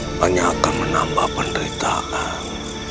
membuka hanya akan menambah penderitaan